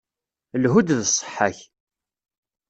Lhu-d d ṣṣeḥḥa-k.